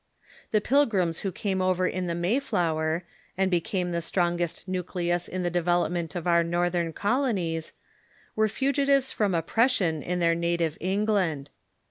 The Pil grims who came over in the Mai/Jfotce); and became the strong est nucleus in the development of our Northern colonies, Avere fugitives from oppression in their native England.